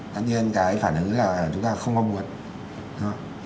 tất nhiên cái phản ứng là chúng ta không có muốn